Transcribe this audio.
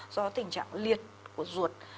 do tình trạng liệt của ruột